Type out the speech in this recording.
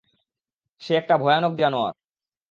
সে একটা ভয়ানক জানোয়ার।